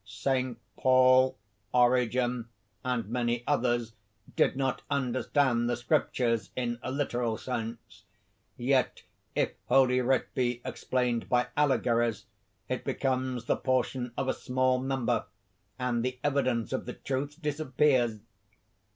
"Saint Paul, Origen, and many others did not understand the Scriptures in a literal sense: yet if Holy Writ be explained by allegories it becomes the portion of a small number, and the evidence of the truth disappears.